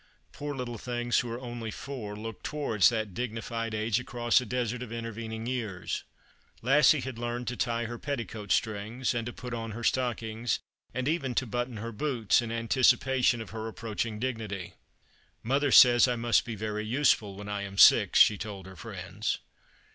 Poor little things who are only four look towards that dignified age across a desert of inter vening years. Lassie had learnt to tie her petticoat strings, and put on her stockings, and even to button her boots, in anticipation of her approaching dignity. " Mother says I must be very useful when I am six," she told her friends.